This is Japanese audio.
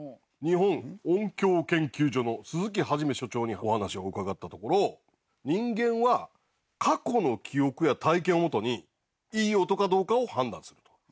日本音響研究所の鈴木創所長にお話を伺ったところ人間は過去の記憶や体験をもとにいい音かどうかを判断すると。